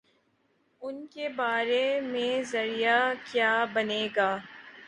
ان کے بارے میں ذریعہ کیا بنے گا؟